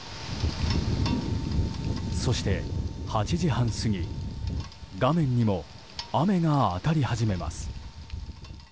そして８時半過ぎ画面にも雨が当たり始めます。